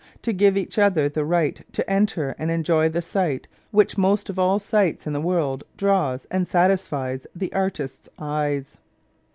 To give each other the right to enter and enjoy the sight which most of all sights in the world draws and satisfies the artist's eyes.